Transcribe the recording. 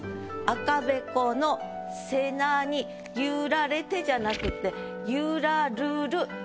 「赤べこの背なに揺られて」じゃなくて「揺らるる」。